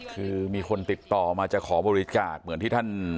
คือมีคนติดต่อมาจะขอบริจาคเหมือนที่ท่าน